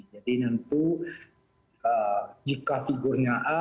jadi tentu jika figurnya a